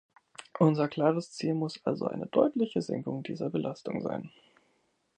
Unser klares Ziel muss also eine deutliche Senkung dieser Belastung sein.